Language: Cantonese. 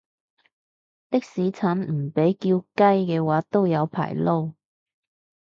的士陳唔被叫雞嘅話都有排撈